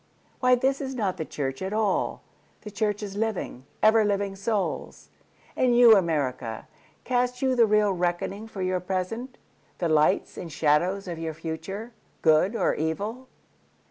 Why this is not the church at all—the Church is living, ever living Souls.")And you, America, Cast you the real reckoning for your present? The lights and shadows of your future—good or evil?